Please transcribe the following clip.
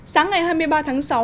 sáng ngày hai mươi ba tháng sáu